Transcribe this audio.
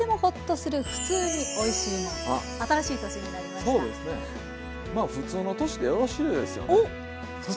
まあふつうの年でよろしいですよね。